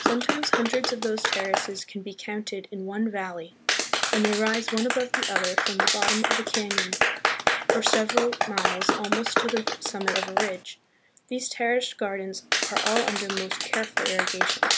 Sometimes hundreds of these terraces can be counted in one valley, and they rise one above the other from the bottom of a canon for several miles almost to the summit of a ridge. These terraced gardens are all under most careful irrigation.